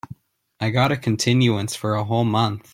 I got a continuance for a whole month.